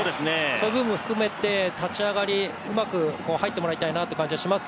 そういう部分も含めて、立ち上がりうまく入ってもらいたいと思います。